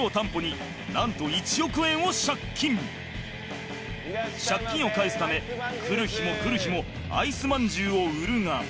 借金を返すため来る日も来る日もアイスまんじゅうを売るが。